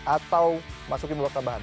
atau masukin waktu tambahan